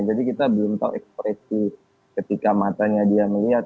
kita belum tahu ekspresi ketika matanya dia melihat